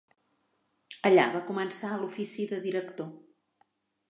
Allà va començar l'ofici de director.